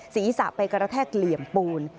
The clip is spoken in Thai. ศีรษะไปกระแทกเหลี่ยมปูน